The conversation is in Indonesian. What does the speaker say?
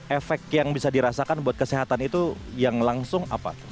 efek yang bisa dirasakan buat kesehatan itu yang langsung apa